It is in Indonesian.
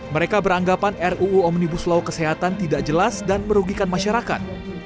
mereka beranggapan ruu omnibus law kesehatan tidak jelas dan merugikan masyarakat